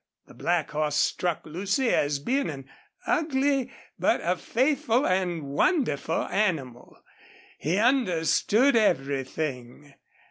The black horse struck Lucy as being an ugly, but a faithful and wonderful animal. He understood everything.